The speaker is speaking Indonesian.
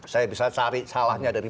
saya bisa cari salahnya dari